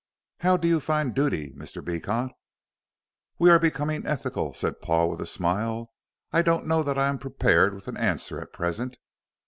"How do you define duty, Mr. Beecot?" "We are becoming ethical," said Paul, with a smile. "I don't know that I am prepared with an answer at present."